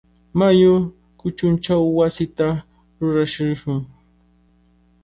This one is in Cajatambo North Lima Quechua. Mayu kuchunchaw wasita rurarishun.